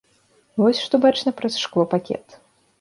Вось што бачна праз шклопакет.